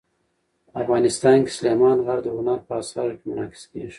افغانستان کې سلیمان غر د هنر په اثار کې منعکس کېږي.